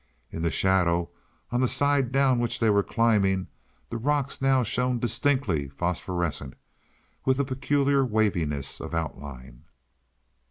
In the shadow, on the side down which they were climbing, the rocks now shone distinctly phosphorescent, with a peculiar waviness of outline.